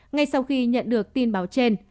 ngay sau khi nhận được tin báo trên